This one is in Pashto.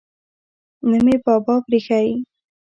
نه مې بابا پریښی.